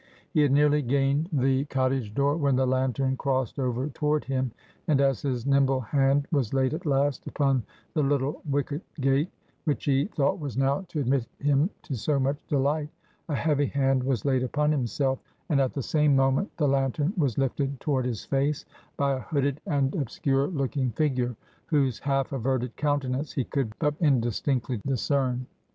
He had nearly gained the cottage door, when the lantern crossed over toward him; and as his nimble hand was laid at last upon the little wicket gate, which he thought was now to admit him to so much delight; a heavy hand was laid upon himself, and at the same moment, the lantern was lifted toward his face, by a hooded and obscure looking figure, whose half averted countenance he could but indistinctly discern.